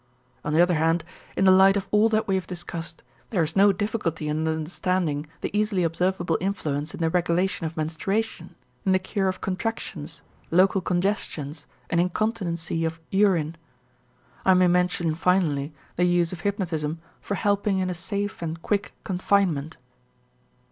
On the other hand, in the light of all that we have discussed, there is no difficulty in understanding the easily observable influence in the regulation of menstruation, in the cure of contractions, local congestions, and incontinency of urine. I may mention finally the use of hypnotism for helping in a safe and quick confinement.